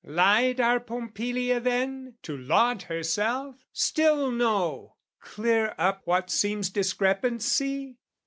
Lied our Pompilia then, to laud herself? Still, no; clear up what seems discrepancy?